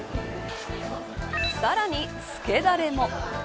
さらにつけダレも。